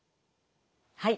はい。